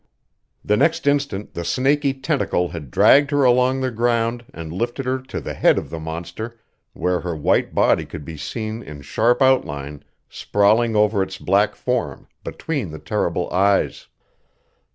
The next instant the snaky tentacle had dragged her along the ground and lifted her to the head of the monster, where her white body could be seen in sharp outline sprawling over its black form, between the terrible eyes.